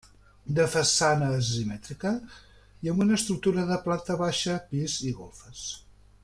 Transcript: De façana asimètrica, i amb una estructura de planta baixa, pis i golfes.